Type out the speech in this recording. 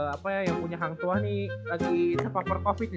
apa ya yang punya hang tua nih lagi terpapar covid nih